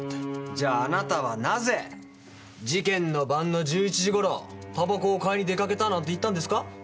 じゃあなたはなぜ事件の晩の１１時頃タバコを買いに出かけたなんて言ったんですか？